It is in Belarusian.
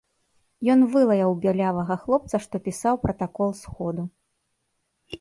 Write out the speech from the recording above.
Ён вылаяў бялявага хлопца, што пісаў пратакол сходу.